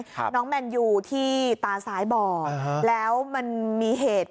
น้องแมนยูที่ตาซ้ายบอดฮะแล้วมันมีเหตุ